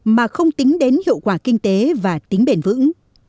mà không tính đến hiệu quả kinh tế và tính bền vững